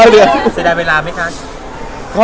เสียดายเวลามั้ยคะ